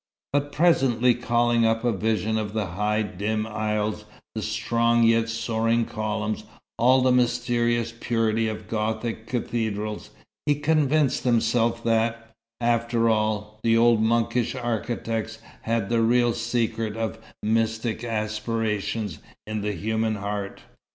But presently calling up a vision of the high, dim aisles, the strong yet soaring columns, all the mysterious purity of gothic cathedrals, he convinced himself that, after all, the old monkish architects had the real secret of mystic aspirations in the human heart.